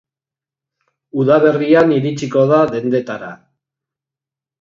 Udaberrian iritsiko da dendetara.